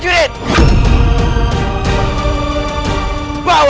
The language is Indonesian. aku ingin menangkapmu